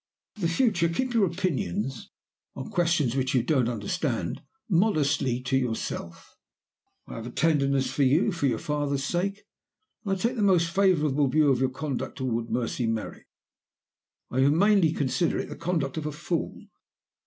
For the future keep your opinions (on questions which you don't understand) modestly to yourself. I have a tenderness for you for your father's sake; and I take the most favorable view of your conduct toward Mercy Merrick. I humanely consider it the conduct of a fool.